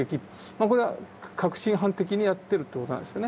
これは確信犯的にやってるってことなんですよね。